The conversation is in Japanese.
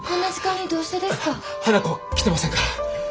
花子来てませんか？